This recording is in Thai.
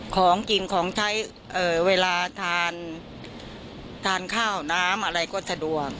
ของกินของใช้เวลาทานข้าวน้ำอะไรก็สะดวก